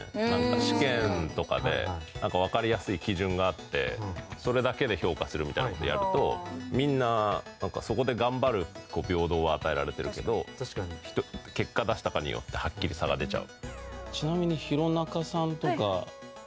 試験とかでなんかわかりやすい基準があってそれだけで評価するみたいな事をやるとみんななんかそこで頑張る平等は与えられてるけど結果を出したかによってはっきり差が出ちゃう。